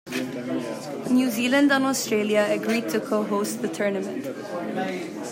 New Zealand and Australia agreed to co-host the tournament.